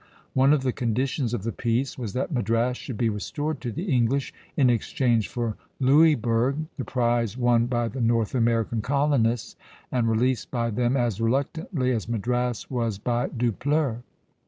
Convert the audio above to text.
One of the conditions of the peace was that Madras should be restored to the English in exchange for Louisburg, the prize won by the North American colonists and released by them as reluctantly as Madras was by Dupleix.